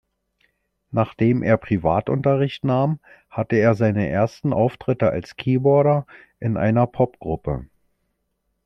Nachdem er Privatunterricht nahm, hatte er seine ersten Auftritte als Keyboarder in einer Popgruppe.